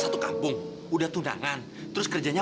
saya betul betul nggak sengaja